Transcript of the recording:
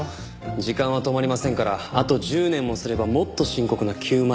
時間は止まりませんからあと１０年もすればもっと深刻な９０６０問題に。